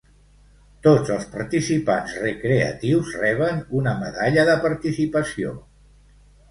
Tots els participants recreatius reben una medalla de participació.